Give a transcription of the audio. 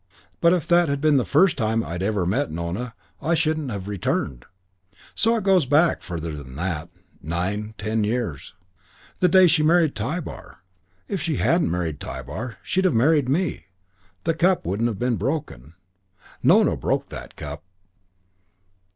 But if that had been the first time I'd ever met Nona I shouldn't have returned. So it goes back further than that. Nine ten years. The day she married Tybar. If she hadn't married Tybar she'd have married me. The cup wouldn't have been broken. Nona broke that cup."